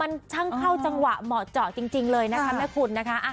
มันทั้งเข้าจังหวะเหมาะเจาะจริงเลยนะคะ